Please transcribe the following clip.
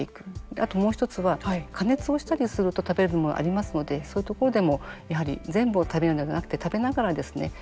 あと、もう１つは加熱をしたりすると食べれるものがありますのでそういうところでも、やはり全部を食べないのではなくて食べながらですね